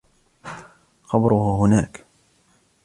قبره هناك.